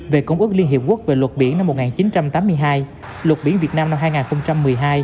về công ước liên hiệp quốc về luật biển năm một nghìn chín trăm tám mươi hai luật biển việt nam năm hai nghìn một mươi hai